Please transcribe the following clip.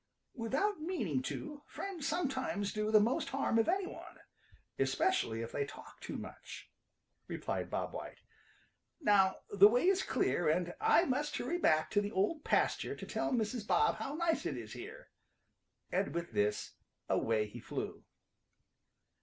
"Without meaning to friends sometimes do the most harm of any one, especially if they talk too much," replied Bob White. "Now the way is clear and I must hurry back to the Old Pasture to tell Mrs. Bob how nice it is here." And with this away he flew.